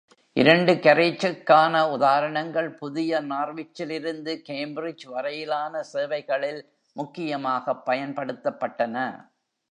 இரண்டு carriageக்கான உதாரணங்கள் புதிய நார்விச்சிலிருந்து Cambridge வரையிலான சேவைகளில் முக்கியமாகப் பயன்படுத்தப்பட்டன.